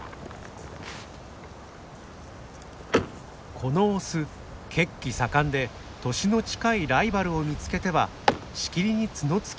このオス血気盛んで年の近いライバルを見つけてはしきりに角突きを挑みます。